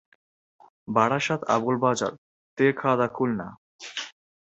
Barasat Abul Bazar, Terkhada, Khulna